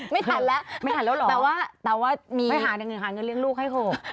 ไม่ทันแล้วแต่ว่ามีไม่ทันแล้วเหรอไม่หาเงินเหรือหาเงินเลี้ยงลูกให้หก